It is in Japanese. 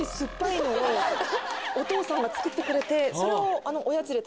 お父さんが作ってくれてそれを。